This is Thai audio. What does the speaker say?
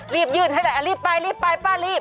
รีบยืดให้แหละอ่ะรีบไปรีบไปป้ารีบ